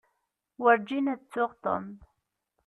Werǧin ad ttuɣ Tom.